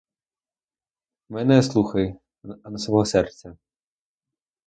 Мене слухай, а не свого серця!